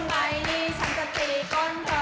ไอ้โน่นใบนี้ฉันจะตีก้นเผลอ